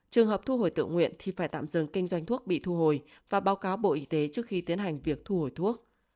trường hợp thu hồi tự nguyện thì phải tạm dừng kinh doanh thuốc bị thu hồi và báo cáo bộ y tế trước khi tiến hành việc thu hồi thuốc